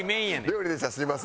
料理でしたすいません。